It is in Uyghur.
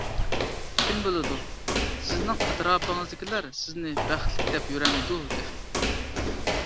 كىم بىلىدۇ، سىزنىڭ ئەتراپىڭىزدىكىلەر سىزنى بەختلىك دەپ يۈرەمدۇ، تېخى!